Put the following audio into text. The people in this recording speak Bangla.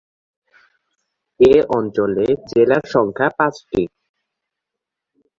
এ অঞ্চলে জেলার সংখ্যা পাঁচটি।